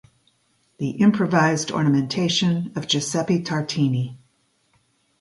The Improvised Ornamentation of Giuseppe Tartini.